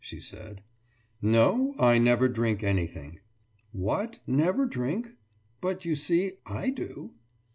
« she said. »No, I never drink anything.« »What, never drink! But you see, I do!